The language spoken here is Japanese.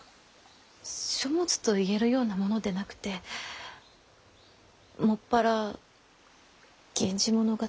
書物といえるようなものでなくて専ら「源氏物語」。